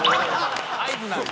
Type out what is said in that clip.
合図なんだ？